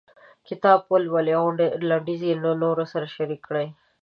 کتاب ولولئ او لنډيز یې له نورو سره شريک کړئ.